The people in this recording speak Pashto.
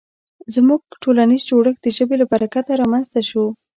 زموږ ټولنیز جوړښت د ژبې له برکته رامنځ ته شو.